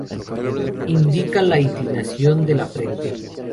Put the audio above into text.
Indica la inclinación de la frente.